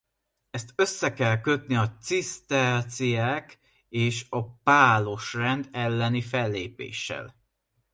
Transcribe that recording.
Ezt össze kell kötni a ciszterciek és a pálos rend elleni fellépéssel.